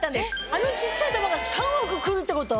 あの小っちゃい玉が３億くるってこと？